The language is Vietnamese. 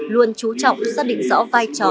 luôn chú trọng xác định rõ vai trò